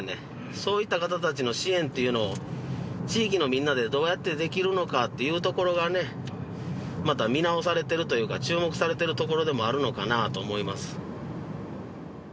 そういった方たちの支援っていうのを地域のみんなでどうやってできるのかっていうところがねまた見直されてるというか注目されてるところでもあるのかなと思います。